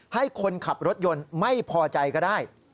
ให้คนขับรถยนต์ไม่พอใจก็ได้